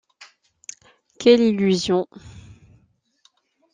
Quelle illusion !